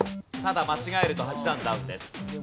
ただ間違えると８段ダウンです。